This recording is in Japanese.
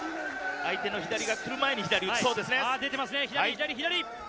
相手の左が来る前に左打ちたいですね。